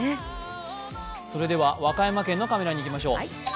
それでは和歌山県のカメラに行きましょう。